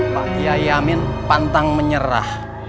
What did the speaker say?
pak yaya amin tantang menyerah